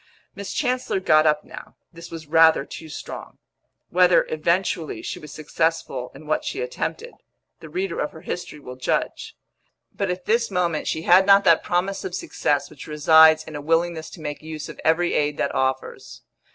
Miss Chancellor got up now; this was rather too strong. Whether, eventually, she was successful in what she attempted, the reader of her history will judge; but at this moment she had not that promise of success which resides in a willingness to make use of every aid that offers.